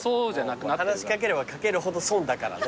話し掛ければ掛けるほど損だからね。